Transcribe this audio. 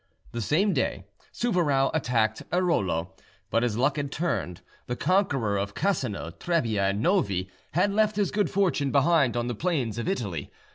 The same day Souvarow attacked Aerolo; but his luck had turned: the conqueror of Cassano, Trebia, and Novi had left his good fortune behind in the plains of Italy.